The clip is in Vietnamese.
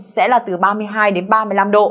sẽ là từ ba mươi hai đến ba mươi năm độ